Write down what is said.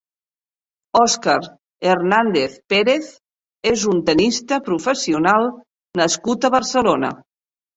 Óscar Hernández Pérez és un tennista professional nascut a Barcelona.